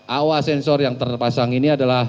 aoa sensor yang terpasang ini adalah